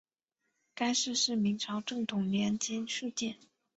该寺是明朝正统年间敕建。